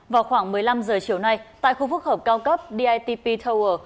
vào khoảng một mươi năm h chiều nay tại khu phức hợp cao cấp ditp tower